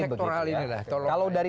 ekosektoral ini lah kalau dari